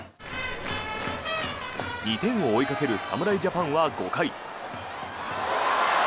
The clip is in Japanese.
２点を追いかける侍ジャパンは５回。